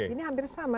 ini hampir sama